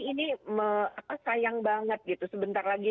ini me up sayang banget gitu sebentar lagi